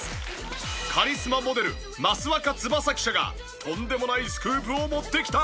カリスマモデル益若つばさ記者がとんでもないスクープを持ってきた！